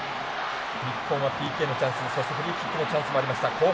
日本はＰＫのチャンスそしてフリーキックのチャンスもありました。